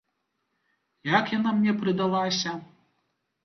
Як яна мне прыдалася?